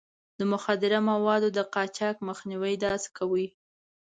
د مخدره موادو د قاچاق مخنيوی داسې کوي.